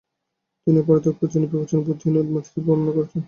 তিনি "অপরাধী, অপ্রয়োজনীয়, বিপজ্জনক, বুদ্ধিহীন এবং উন্মাদ" হিসাবে বর্ণনা করেছেন।